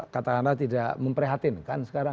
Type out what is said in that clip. kata anda tidak memprihatinkan sekarang